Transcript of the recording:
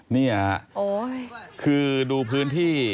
นี่ค่ะคือดูพื้นที่